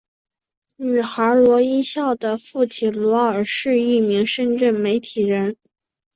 女孩罗一笑的父亲罗尔是一名深圳媒体人。